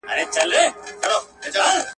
چاته وايی سخاوت دي یزداني دی.